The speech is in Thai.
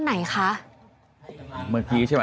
แฮปปี้เบิร์สเจทู